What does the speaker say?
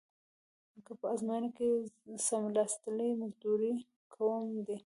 که په ازموینه کې څملاستلې مزدور کوم دې.